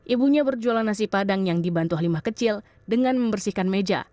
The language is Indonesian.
ibunya berjualan nasi padang yang dibantu halimah kecil dengan membersihkan meja